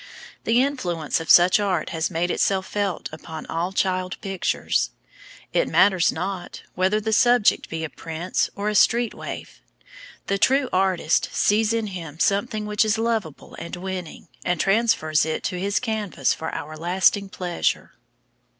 The influence of such art has made itself felt upon all child pictures. It matters not whether the subject be a prince or a street waif; the true artist sees in him something which is lovable and winning, and transfers it to his canvas for our lasting pleasure.